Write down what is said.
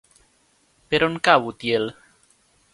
Per on cau Utiel?